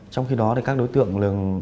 trong khi đó thì các đối tượng